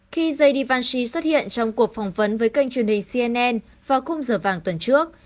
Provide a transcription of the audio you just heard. khi jivancy xuất hiện trong cuộc phỏng vấn với kênh truyền hình cnn vào khung giờ vàng tuần trước